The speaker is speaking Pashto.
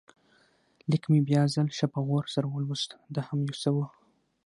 لیک مې بیا ځل ښه په غور سره ولوست، دا هم یو څه و.